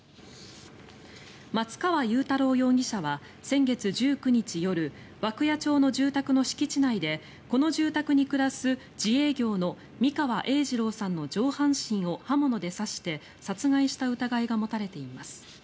松川雄太郎容疑者は先月１９日夜涌谷町の住宅の敷地内でこの住宅に暮らす、自営業の三川栄治朗さんの上半身を刃物で刺して殺害した疑いが持たれています。